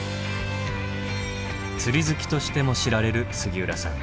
釣り好きとしても知られる杉浦さん。